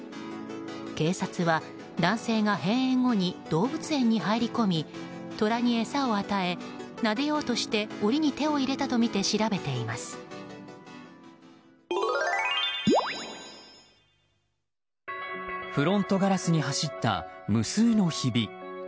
警察は男性が閉園後に動物園に入り込みトラに餌を与えなでようとして檻に手を入れたとみてフロントガラスに走った無数のひび。